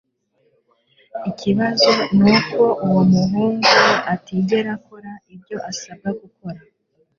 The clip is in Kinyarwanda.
Ikibazo nuko uwo muhungu atigera akora ibyo asabwa gukora